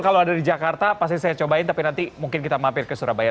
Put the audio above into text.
kalau ada di jakarta pasti saya cobain tapi nanti mungkin kita mampir ke surabaya